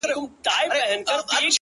د خپل ښايسته خيال پر رنگينه پاڼه،